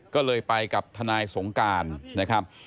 ก็เลยไปกับทนายสงการนะครับ